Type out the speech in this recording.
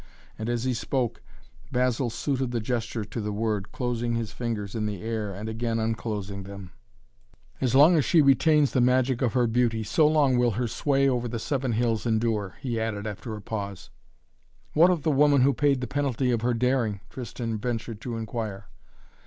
And, as he spoke, Basil suited the gesture to the word, closing his fingers in the air and again unclosing them. "As long as she retains the magic of her beauty so long will her sway over the Seven Hills endure," he added after a brief pause. "What of the woman who paid the penalty of her daring?" Tristan ventured to inquire.